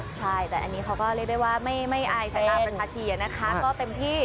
ใช่แต่อันนี้เขาก็เรียกได้ว่าไม่อายสายตาประชาชีนะคะก็เต็มที่